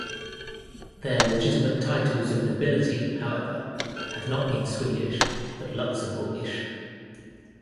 Their legitimate titles of nobility, however, have not been Swedish but Luxembourgish.